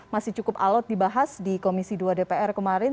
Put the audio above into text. masih cukup alot dibahas di komisi dua dpr kemarin